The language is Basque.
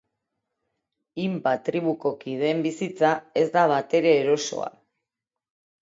Himba tribuko kideen bizitza ez da batere erosoa.